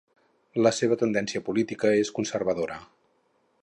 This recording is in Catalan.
La seva tendència política és conservadora.